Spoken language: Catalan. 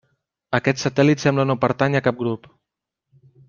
Aquest satèl·lit sembla no pertànyer a cap grup.